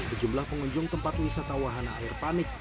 sejumlah pengunjung tempat wisata wahana air panik